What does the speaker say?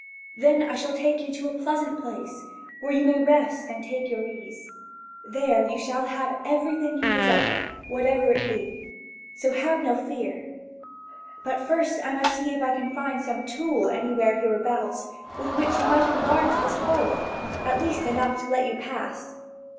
Then I shall take you to a pleasant place, where you may rest and take your ease. There you shall have everything you desire, whatever it be. So have no fear. But first I must see if I can find some tool anywhere hereabouts with which you might enlarge this hole, at least enough to let you pass."